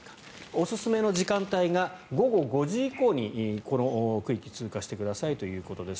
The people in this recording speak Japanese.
おすすめの時間帯が午後５時以降にこの区域を通過してくださいということです。